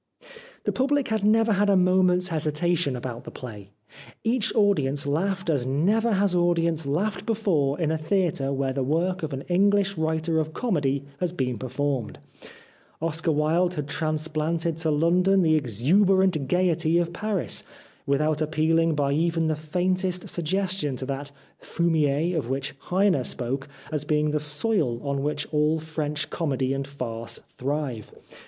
The public never had a moment's hesitation about the play. Each audience laughed as never has audience laughed before in a theatre where the work of an English writer of comedy has been performed. Oscar Wilde had transplanted to London the exuberant gaiety of Paris, without appealing by even the faintest suggestion to that funnier of which Heine spoke as being the soil on which all French comedy and farce thrive.